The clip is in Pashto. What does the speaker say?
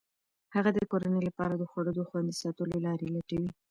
هغه د کورنۍ لپاره د خوړو د خوندي ساتلو لارې لټوي.